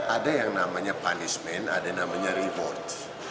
ada yang namanya punishment ada yang namanya reward